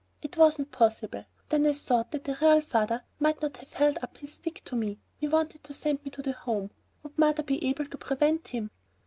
It wasn't possible! Then I thought that a real father might not have held up his stick to me.... He wanted to send me to the Home, would mother be able to prevent him?